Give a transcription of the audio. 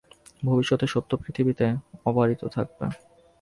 ভবিষ্যতে সত্য পৃথিবীতে অবারিত থাকবে।